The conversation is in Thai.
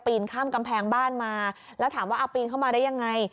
ข้ามกำแพงบ้านมาแล้วถามว่าเอาปีนเข้ามาได้ยังไง